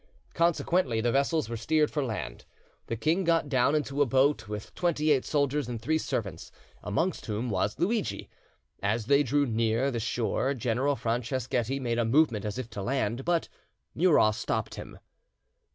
Consequently the vessels were steered for land. The king got down into a boat with twenty eight soldiers and three servants, amongst whom was Luidgi. As they drew near the shore General Franceschetti made a movement as if to land, but Murat stopped him.